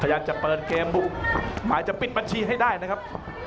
พยายามจะเปิดเกมหมายจะปิดบัญชีให้ได้นะครับ